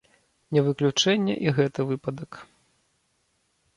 Не выключэнне і гэты выпадак.